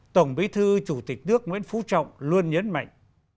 tổng bí thư chủ tịch nước nguyễn phú trọng luôn nhấn mạnh